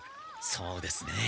そうですね。